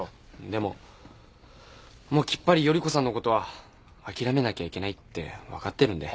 でももうきっぱり依子さんのことは諦めなきゃいけないって分かってるんで。